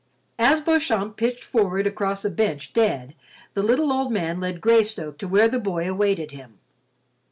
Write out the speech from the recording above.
As Beauchamp pitched forward across a bench, dead, the little old man led Greystoke to where the boy awaited him.